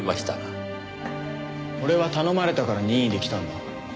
俺は頼まれたから任意で来たんだ。